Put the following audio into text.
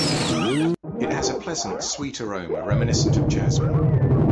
It has pleasant sweet aroma reminiscent of jasmine.